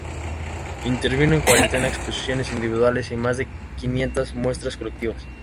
Intervino en cuarenta exposiciones individuales y más de quinientas muestras colectivas.